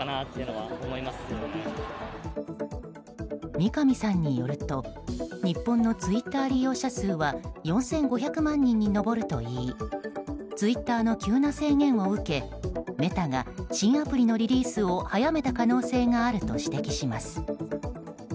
三上さんによると日本のツイッター利用者数は４５００万人に上るといいツイッターの急な制限を受けメタが新アプリのリリースを早めた可能性があると指摘します。